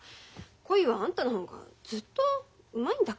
恋はあんたの方がずっとうまいんだから。